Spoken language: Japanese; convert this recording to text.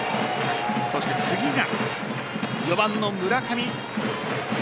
そして次が４番の村上。